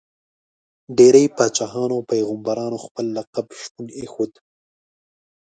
ډېری پاچاهانو او پيغمبرانو خپل لقب شپون ایښود.